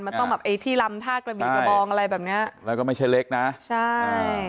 มันต้องแบบไอ้ที่ลำท่ากระบี่กระบองอะไรแบบเนี้ยแล้วก็ไม่ใช่เล็กนะใช่